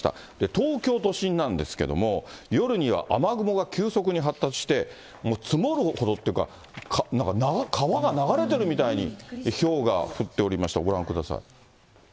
東京都心なんですけども、夜には雨雲が急速に発達して、積もるほどというか、なんか川が流れてるみたいに、ひょうが降っておりました、ご覧ください。